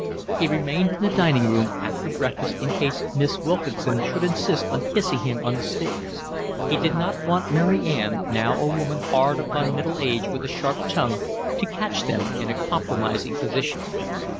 He remained in the dining room after breakfast in case Miss Wilkinson should insist on kissing him on the stairs. He did not want Mary Ann, now a woman hard upon middle age with a sharp tongue, to catch them in a compromising position.